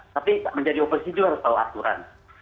tapi menjadi oposisi juga harus tahu aturan